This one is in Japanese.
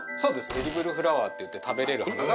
エディブル・フラワーといって食べれる花で。